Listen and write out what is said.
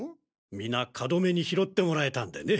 皆カドメに拾ってもらえたんでね。